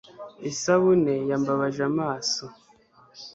isabune yambabaje amaso